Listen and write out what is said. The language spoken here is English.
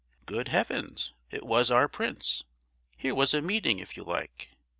Good Heavens! it was our prince! Here was a meeting, if you like!